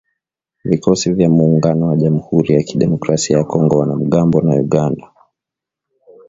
Vikosi vya Muungano wa jamuhuri ya Kidemokrasia ya Kongo wana mgambo na Uganda